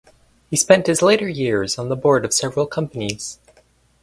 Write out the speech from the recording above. He spent his later years on the board of several companies.